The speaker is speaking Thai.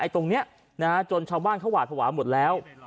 ตรงนี้จนชาวบ้านเขาหวาดภาวะหมดแล้ว